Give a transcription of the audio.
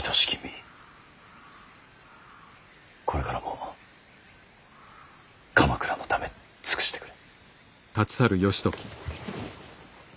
これからも鎌倉のため尽くしてくれ。